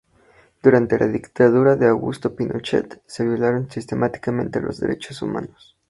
Durante la dictadura de Augusto Pinochet se violaron sistemáticamente los derechos humanos.